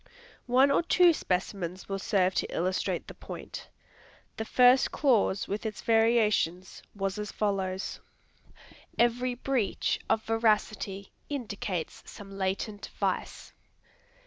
One or two specimens will serve to illustrate the point. The first clause with its variations, was as follows: Every breach of veracity indicates some latent vice.